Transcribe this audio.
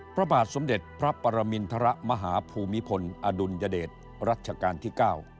พระบาทสมเด็จพระปรมินทรมาหาภูมิพลอดุลยเดชรัชกาลที่๙